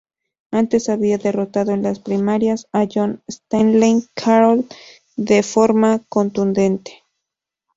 Antes había derrotado en las primarias a John Stanley Carroll de forma contundente.